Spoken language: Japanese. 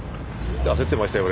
焦ってましたよ俺。